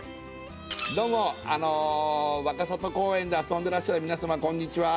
どうもあの若里公園で遊んでらっしゃるみなさまこんにちは